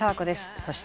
そして。